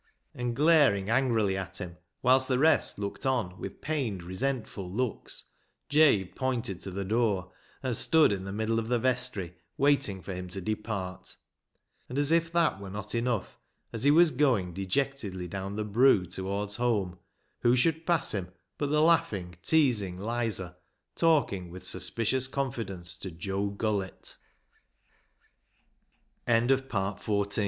And glaring angrily at him, whilst the rest looked on with pained, resentful looks, Jabe pointed to the door, and stood in the middle of the vestry, waiting for him to depart. And as if that were not enough, as he was going dejectedly down the " broo " towards home, who should pass him but the laughing, teasing " Lizer," talking